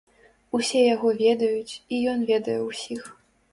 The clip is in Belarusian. Усе яго ведаюць, і ён ведае ўсіх.